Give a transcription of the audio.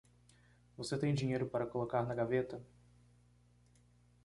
Você tem dinheiro para colocar na gaveta?